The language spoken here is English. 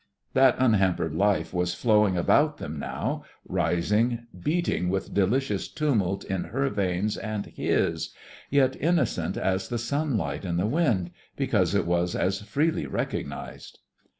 That unhampered life was flowing about them now, rising, beating with delicious tumult in her veins and his, yet innocent as the sunlight and the wind because it was as freely recognised.